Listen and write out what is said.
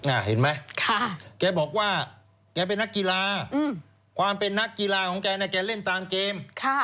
อ่าเห็นไหมแกบอกว่าแกเป็นนักกีฬาความเป็นนักกีฬาของแกแกเล่นตามเกม